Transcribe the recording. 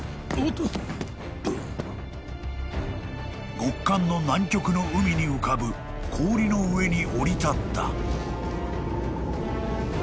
［極寒の南極の海に浮かぶ氷の上におり立った］